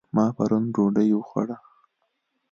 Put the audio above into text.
ما پرون ډوډۍ وخوړه